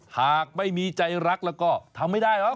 หากไม่มีใจรักแล้วก็ทำไม่ได้หรอก